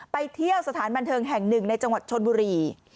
ไปเที่ยวสถานบันเทิงแห่งหนึ่งในจังหวัดชนบุรี